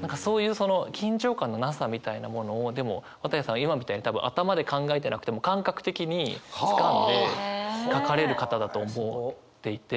何かそういうその緊張感のなさみたいなものをでも綿矢さんは今みたいに多分頭で考えてなくても感覚的につかんで書かれる方だと思っていて。